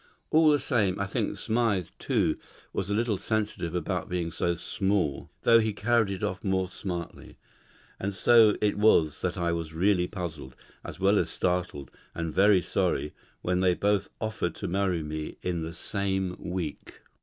All the same, I think Smythe, too, was a little sensitive about being so small, though he carried it off more smartly. And so it was that I was really puzzled, as well as startled, and very sorry, when they both offered to marry me in the same week.